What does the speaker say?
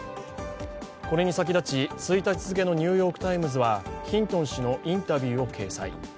これに先立ち、１日付の「ニューヨーク・タイムズ」はヒントン氏のインタビューを掲載。